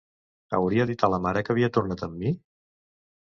Hauria dit a la mare que havia tornat amb mi?